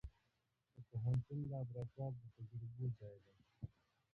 د پوهنتون لابراتوار د تجربو ځای دی.